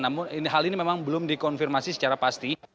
namun hal ini memang belum dikonfirmasi secara pasti